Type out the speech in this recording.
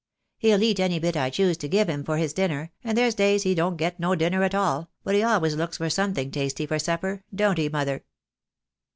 He'll eat any bit I choose to give him for his dinner, and there's days he don't get no dinner at all, but he always looks for something tasty for supper, don't he, mother?"